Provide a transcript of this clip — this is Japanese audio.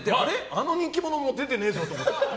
あの人気者も出てねえぞって。